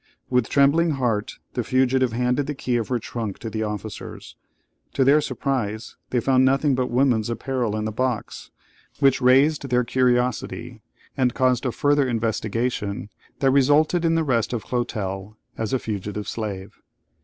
With trembling heart the fugitive handed the key of her trunk to the officers. To their surprise, they found nothing but woman's apparel in the box, which raised their curiosity, and caused a further investigation that resulted in the arrest of Clotel as a fugitive slave.